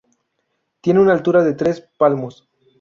Tiene una altura de tres palmos.